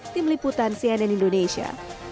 tim liputan cnn indonesia